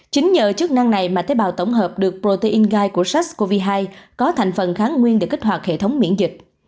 chính nhờ chức năng này mà tế bào tổng hợp được protein gai của sars cov hai có thành phần kháng nguyên để kích hoạt hệ thống miễn dịch